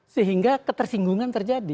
sehingga ketersinggungan terjadi